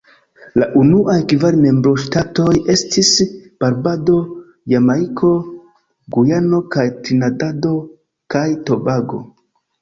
La unuaj kvar membroŝtatoj estis Barbado, Jamajko, Gujano kaj Trinidado kaj Tobago.